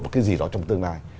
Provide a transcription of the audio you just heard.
một cái gì đó trong tương lai